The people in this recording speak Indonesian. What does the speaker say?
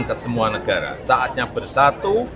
ke semua negara saatnya bersatu